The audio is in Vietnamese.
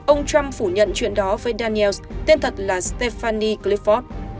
ông trump phủ nhận chuyện đó với daniels tên thật là stephanie clifford